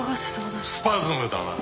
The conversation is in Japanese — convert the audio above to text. スパズムだな